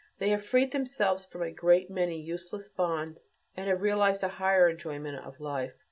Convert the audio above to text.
They have freed themselves from a great many useless bonds and have realized a higher enjoyment of life.